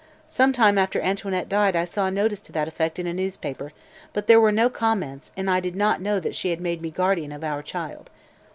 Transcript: Some time after Antoinette died I saw a notice to that effect in a newspaper, but there were no comments and I did not know that she had made me guardian of our child.